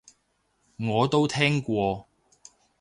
我都聽過